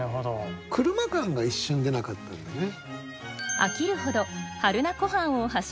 車感が一瞬出なかったんでね。